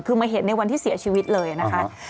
คือมาเห็นในวันที่เสียชีวิตเลยนะคะ